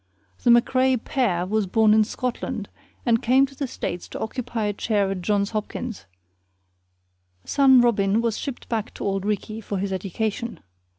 The MacRae PERE was born in Scotland, and came to the States to occupy a chair at Johns Hopkins; son Robin was shipped back to Auld Reekie for his education.